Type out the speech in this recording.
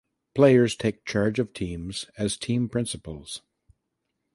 Players take charge of teams as team principals.